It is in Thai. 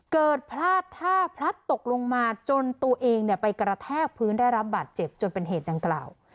เกิดพลาดท่าพลัดตกลงมาจนตัวเองไปกระแทกพื้นได้รับบาดเจ็บจนเป็นเหตุดังกล่าว